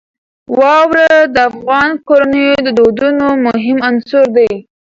واوره د افغان کورنیو د دودونو مهم عنصر دی.